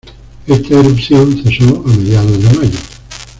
Está erupción cesó a mediados de mayo.